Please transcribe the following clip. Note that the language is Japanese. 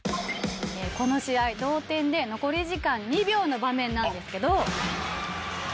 この試合同点で残り時間２秒の場面なんですけど。